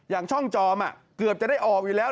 อย่างช่องจอมเกือบจะได้ออกอยู่แล้ว